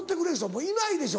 もういないでしょ。